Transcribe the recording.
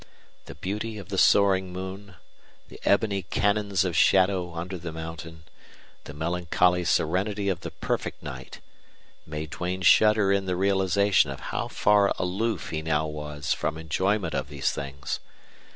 The beauty of the soaring moon, the ebony canyons of shadow under the mountain, the melancholy serenity of the perfect night, made Duane shudder in the realization of how far aloof he now was from enjoyment of these things.